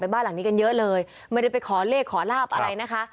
บ้านหลังนี้กันเยอะเลยไม่ได้ไปขอเลขขอลาบอะไรนะคะ